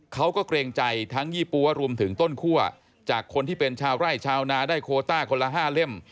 เกรงใจทั้งยี่ปั๊วรวมถึงต้นคั่วจากคนที่เป็นชาวไร่ชาวนาได้โคต้าคนละ๕เล่ม